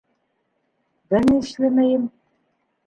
Бер ни эшләмәйем.